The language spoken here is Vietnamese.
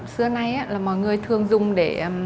xưa nay là mọi người thường dùng để